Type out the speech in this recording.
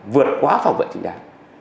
vượt quá phòng vệ chính đáng